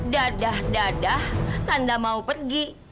dadah dadah tanda mau pergi